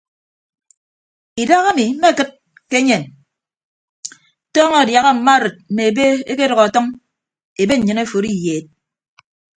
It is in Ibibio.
Idaha ami mmekịd ke enyen tọọñọ adiaha mma arịd mme ebe ekedʌk ọtʌñ ebe nnyịn aforo iyeed.